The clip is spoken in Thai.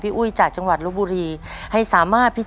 ทุกวัน